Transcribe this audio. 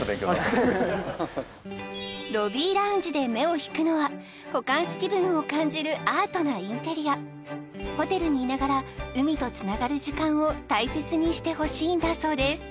ロビーラウンジで目を引くのはホカンス気分を感じるアートなインテリアホテルにいながら海とつながる時間を大切にしてほしいんだそうです